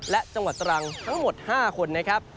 และจังหวัดตรังทั้งหมด๕คนนะครับ